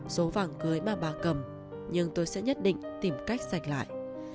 số vàng cưới mà bà cầm nhưng tôi sẽ nhất định tìm cách giành lại